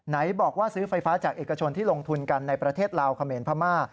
ไหนบอกว่าซื้อไฟฟ้าจากเอกชนที่ลงทุนกันในประเทศลาวเขมรพม่า